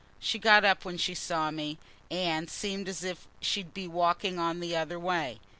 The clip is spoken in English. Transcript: She got up when she saw me, and seemed as if she'd be walking on the other way.